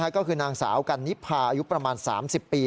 ก็คือนางสาวกันนิพาอายุประมาณ๓๐ปี